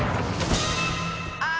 あ！